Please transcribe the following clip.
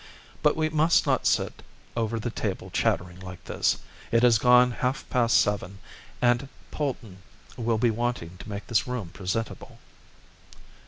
But we must not sit over the table chattering like this; it has gone half past seven, and Polton will be wanting to make this room presentable."